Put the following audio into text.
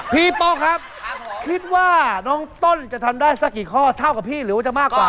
โป๊อกครับคิดว่าน้องต้นจะทำได้สักกี่ข้อเท่ากับพี่หรือว่าจะมากกว่า